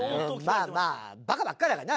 まあまあバカばっかりだからね